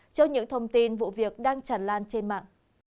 trước những thông tin vụ việc đang tràn lan trên mạng